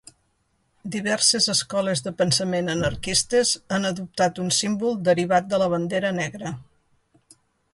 Diverses escoles de pensament anarquistes han adoptat un símbol derivat de la bandera negra.